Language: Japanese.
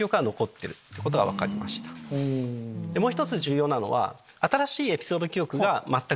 もう１つ重要なのは。